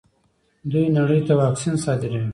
دوی نړۍ ته واکسین صادروي.